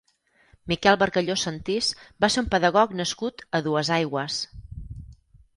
Miquel Bargalló Sentís va ser un pedagog nascut a Duesaigües.